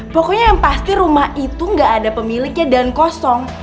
pokoknya yang pasti rumah itu nggak ada pemiliknya dan kosong